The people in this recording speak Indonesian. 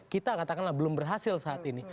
kita katakanlah belum berhasil saat ini